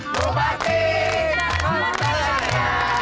bupati selamat datang